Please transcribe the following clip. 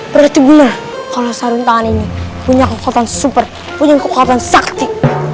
berarti benar kalau sarung tangan ini punya kekuatan super punya kekuatan sakti